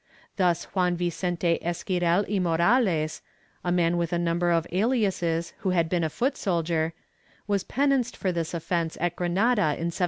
Thus Juan Vicente Esquirel y Morales — a man with a number of aliases who had been a foot soldier — was penanced for this offence at Granada in 1727.